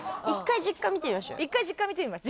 １回実家見てみます？